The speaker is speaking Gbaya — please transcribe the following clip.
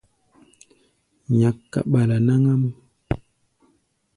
Nyak kaɓala náŋ-ám.